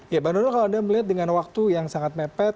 ya bang donal kalau anda melihat dengan waktu yang sangat mepet